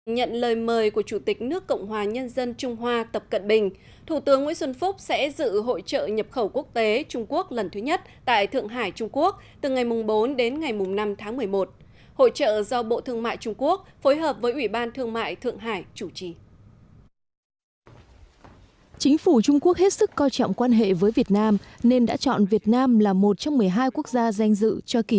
nhận lời mời của chủ tịch nước cộng hòa nhân dân trung hoa tập cận bình thủ tướng nguyễn xuân phúc sẽ dự hội trợ nhập khẩu quốc tế trung quốc lần thứ nhất tại thượng hải trung quốc từ ngày bốn đến ngày năm tháng một mươi một hội trợ do bộ thương mại trung quốc phối hợp với ủy ban thương mại thượng hải chủ trì